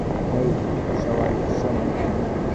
হেই, সবাই শোন।